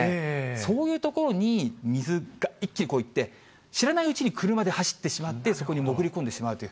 そういう所に水が一気に行って、知らないうちに車で走ってしまって、そこに潜り込んでしまうという。